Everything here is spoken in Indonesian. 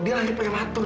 dia lahir prematur